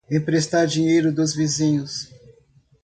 Emprestar dinheiro dos vizinhos